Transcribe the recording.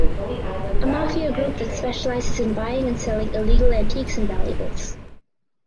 A mafia group that specializes in buying and selling illegal antiques and valuables.